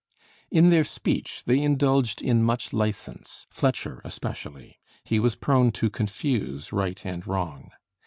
In their speech they indulged in much license, Fletcher especially; he was prone to confuse right and wrong.